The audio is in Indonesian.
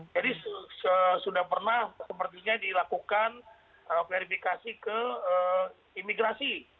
jadi sudah pernah sepertinya dilakukan klarifikasi ke imigrasi